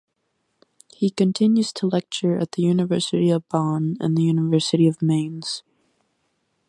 He continues to lecture at the University of Bonn and the University of Mainz.